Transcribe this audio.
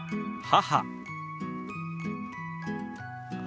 母。